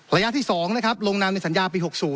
ระยะที่๒ลงน้ำในสัญญาปี๖๐